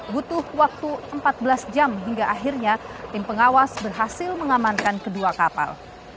butuh waktu empat belas jam hingga akhirnya tim pengawas berhasil mengamankan kedua kapal